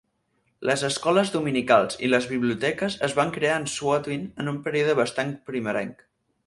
Les escoles dominicals i les biblioteques es van crear en Swinton en un període bastant primerenc.